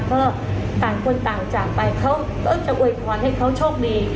ก็ต่างคนต่างจากไปเขาก็จะอวยพรให้เขาโชคดี